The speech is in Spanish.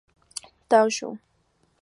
Tao Zhu.